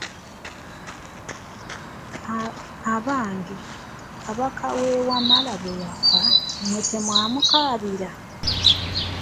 Abange, Kabaka w'e Wamala bwe yafa, mmwe temwamukaabira?